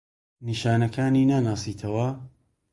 نیشانەکانی ناناسیتەوە؟